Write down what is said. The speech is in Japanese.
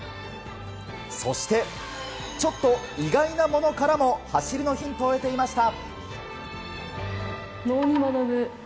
そしてちょっと意外なものからも走りのヒントを得ていました。